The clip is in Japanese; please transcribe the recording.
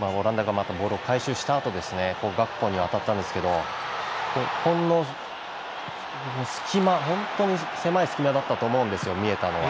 オランダがまたボールを回収したあとガクポに渡ったんですけども本当に狭い隙間だったと思うんですよ見えたのは。